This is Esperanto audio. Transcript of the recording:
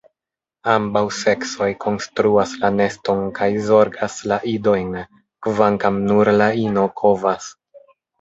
Ambaŭ seksoj konstruas la neston kaj zorgas la idojn, kvankam nur la ino kovas.